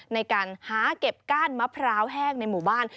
ในการหาเก็บก้านมะพร้าวแห้งในหมู่บ้าน